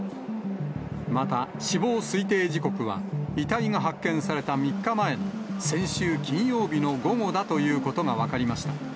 また死亡推定時刻は、遺体が発見された３日前の先週金曜日の午後だということが分かりました。